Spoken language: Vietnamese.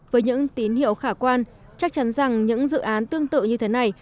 với những tín hiệu khả quan chắc chắn rằng những dự án tương tự như thế này